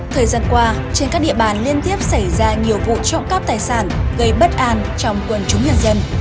thời gian qua trên các địa bàn liên tiếp xảy ra nhiều vụ trộm cắp tài sản gây bất an trong quân chúng nhân dân